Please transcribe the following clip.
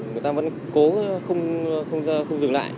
người ta vẫn cố không dừng lại